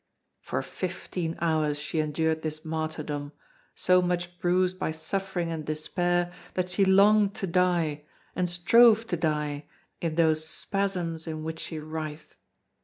For fifteen hours she endured this martyrdom, so much bruised by suffering and despair that she longed to die, and strove to die in those spasms in which she writhed.